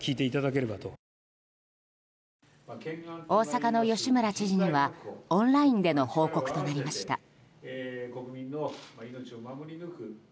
大阪の吉村知事にはオンラインでの報告となりました。